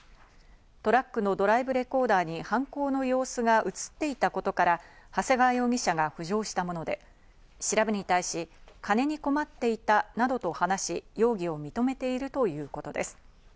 トラックのドライブレコーダーに犯行の様子が映っていたことから長谷川容疑者が浮上したもので、調べに対し、金に困っていたなどと話し、容疑を認めているということです。